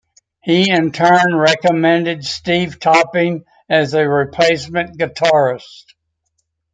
He in turn recommended Steve Topping as a replacement guitarist.